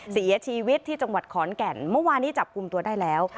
เสียชีวิตที่จังหวัดขอนแก่นเมื่อวานนี้จับกลุ่มตัวได้แล้ว